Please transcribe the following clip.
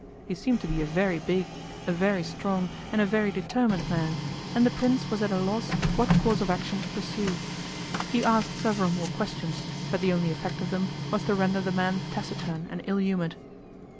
He seemed to be a very big, a very strong, and a very determined man, and the Prince was at a loss what course of action to pursue. He asked several more questions, but the only effect of them was to render the man taciturn and ill humoured.